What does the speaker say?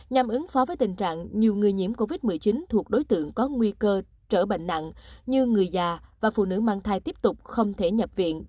nhằm ứng phó với tình trạng nhiều người nhiễm covid một mươi chín thuộc đối tượng có nguy cơ trở bệnh nặng như người già và phụ nữ mang thai tiếp tục không thể nhập viện